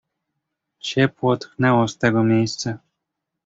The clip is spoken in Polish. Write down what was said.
"Ciepło tchnęło z tego miejsca."